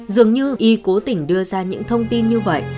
dường như y cố tỉnh đưa ra những thông tin như vậy